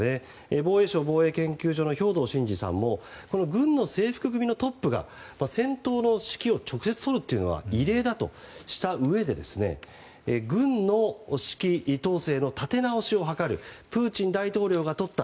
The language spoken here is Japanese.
防衛省防衛研究所の兵頭慎治さんも軍の制服組のトップが戦闘の指揮を直接執るというのは異例だとしたうえで軍の指揮統制の立て直しを図るプーチン大統領がとった